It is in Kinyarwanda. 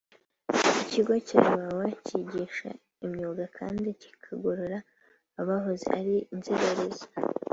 Ikigo cya Iwawa cyigisha imyuga kandi kikagorora abahoze ari inzererezi